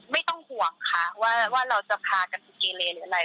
ไม่ต้องห่วงค่ะว่าเราจะพากันไปเกเลหรืออะไร